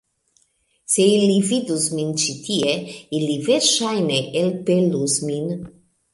Se ili vidus min ĉi tie, ili verŝajne elpelus min.